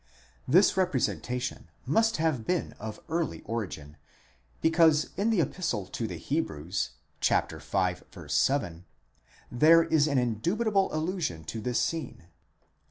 This representa tion must have been of early origin, because in the Epistle to the Hebrews (ν. 7) there is an indubitable allusion to this scene.